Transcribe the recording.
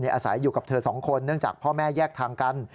อาศัยอยู่กับเธอสองคนเนื่องจากพ่อแม่แยกทางกัน